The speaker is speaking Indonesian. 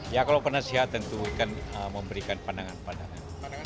ya kalau penasehat tentu akan memberikan pandangan pandangan